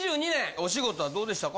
お仕事はどうでしたか？